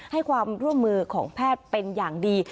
ให้ความร่วมมือของแพทย์เป็นอย่างดี